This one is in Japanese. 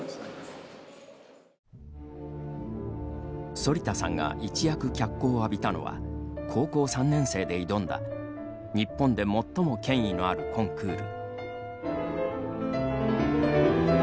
反田さんが一躍脚光を浴びたのは高校３年生で挑んだ日本で最も権威のあるコンクール。